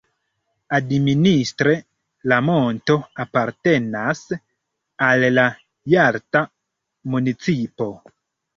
Administre la monto apartenas al la Jalta municipo.